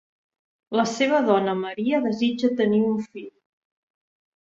La seva dona Maria desitja tenir un fill.